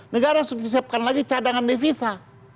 negara sudah disiapkan lagi cadangan devisa